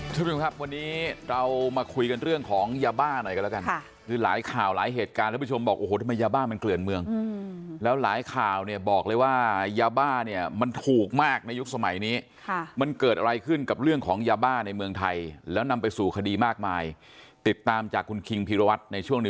คุณผู้ชมครับวันนี้เรามาคุยกันเรื่องของยาบ้าหน่อยกันแล้วกันค่ะคือหลายข่าวหลายเหตุการณ์ท่านผู้ชมบอกโอ้โหทำไมยาบ้ามันเกลื่อนเมืองแล้วหลายข่าวเนี่ยบอกเลยว่ายาบ้าเนี่ยมันถูกมากในยุคสมัยนี้ค่ะมันเกิดอะไรขึ้นกับเรื่องของยาบ้าในเมืองไทยแล้วนำไปสู่คดีมากมายติดตามจากคุณคิงพีรวัตรในช่วง